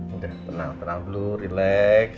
udah tenang tenang dulu relax